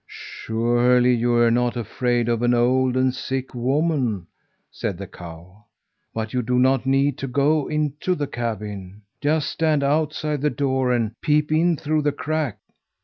"'Surely you're not afraid of an old and sick woman," said the cow. "But you do not need to go into the cabin. Just stand outside the door and peep in through the crack!"